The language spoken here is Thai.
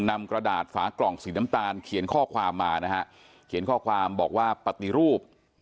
กระดาษฝากล่องสีน้ำตาลเขียนข้อความมานะฮะเขียนข้อความบอกว่าปฏิรูป